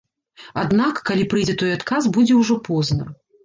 Аднак, калі прыйдзе той адказ, будзе ўжо позна.